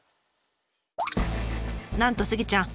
なんとスギちゃん